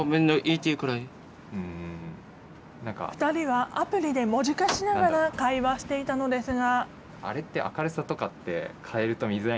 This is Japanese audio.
２人はアプリで文字化しながら、会話していたのですが。